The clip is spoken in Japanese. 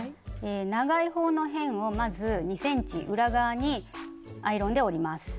長い方の辺をまず２ｃｍ裏側にアイロンで折ります。